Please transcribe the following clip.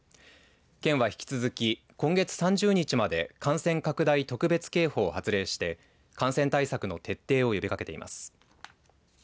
県は引き続き今月３０日まで感染拡大特別警報を発令して感染対策の徹底を呼びかけています。